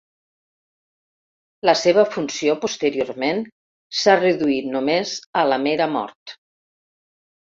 La seva funció posteriorment s'ha reduït només a la mera mort.